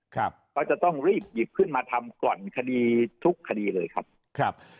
ครับก็จะต้องรีบหยิบขึ้นมาทำก่อนคดีทุกคดีเลยครับครับ